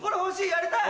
やりたい！